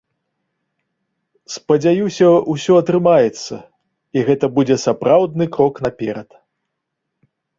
Спадзяюся, усё атрымаецца, і гэта будзе сапраўдны крок наперад.